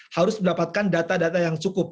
harus mendapatkan data data yang cukup